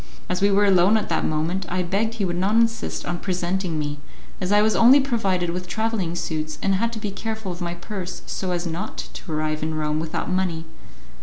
As we were alone at that moment, I begged he would not insist on presenting me, as I was only provided with travelling suits, and had to be careful of my purse so as not to arrive in Rome without money.